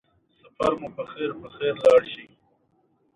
دا هوټل پاک او منظم دی.